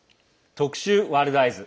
特集「ワールドＥＹＥＳ」。